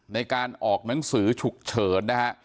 ในการออกหนังสือฉุกเฉินนะฮะ